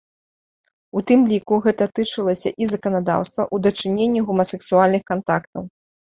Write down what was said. У тым ліку гэта тычылася і заканадаўства ў дачыненні гомасексуальных кантактаў.